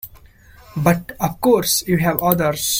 But of course you have others.